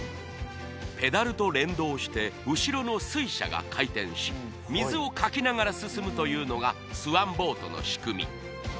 ペダルと連動して後ろの水車が回転し水をかきながら進むというのがスワンボートの仕組み